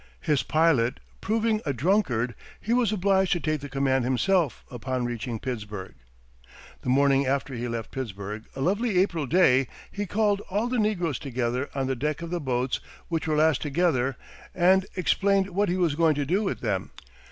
His pilot proving a drunkard, he was obliged to take the command himself, upon reaching Pittsburg. The morning after he left Pittsburg, a lovely April day, he called all the negroes together on the deck of the boats, which were lashed together, and explained what he was going to do with them.